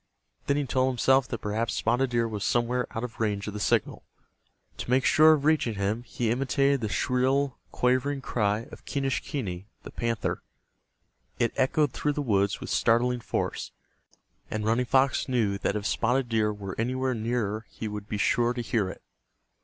Then he told himself that perhaps Spotted Deer was somewhere out of range of the signal. To make sure of reaching him, he imitated the shrill quavering cry of Quenischquney, the panther. It echoed through the woods with startling force, and Running Fox knew that if Spotted Deer were anywhere near he would be sure to hear it.